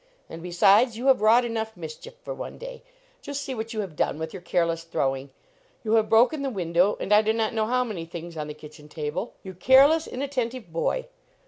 And, be sides, you have wrought enough mischief for one day. Just see what you have done with your careless throwing. You have broken the window, and I do not know how many things on the kitchen table. You careless, inattentive boy.